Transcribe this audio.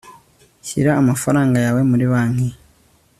shyira amafaranga yawe muri banki